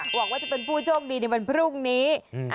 หวังว่าจะเป็นผู้โชคดีในวันพรุ่งนี้